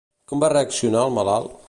Com va reaccionar el malalt?